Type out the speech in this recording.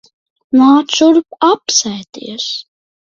Nāc šurp. Apsēdies.